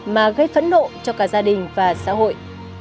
mà gây phẫn nộ cho cả gia đình và xã hội